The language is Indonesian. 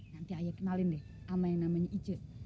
nanti ayo kenalin deh sama yang namanya ije